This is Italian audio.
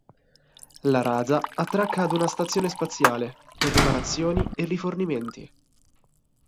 La Raza attracca ad una stazione spaziale per riparazioni e rifornimenti.